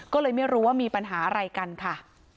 ก็เลยไม่รู้ว่ามีปัญหาอะไรกันค่ะ